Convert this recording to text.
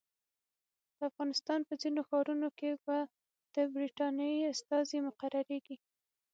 د افغانستان په ځینو ښارونو کې به د برټانیې استازي مقرریږي.